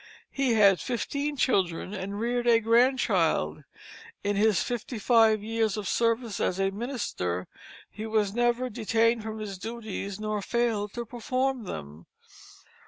He had fifteen children and reared a grandchild. In his fifty five years of service as a minister he was never detained from his duties nor failed to perform them.